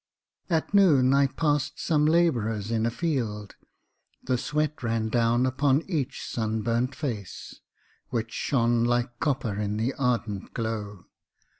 At noon I passed some labourers in a field. The sweat ran down upon each sunburnt face, Which shone like copper in the ardent glow.